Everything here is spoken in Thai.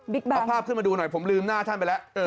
เอาภาพขึ้นมาดูหน่อยผมลืมหน้าท่านไปแล้ว